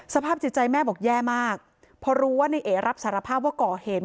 สภาพจิตใจแม่บอกแย่มากพอรู้ว่าในเอรับสารภาพว่าก่อเหตุ